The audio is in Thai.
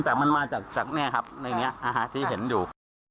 แต่มันมาจากนี้นะครับที่เห็นดู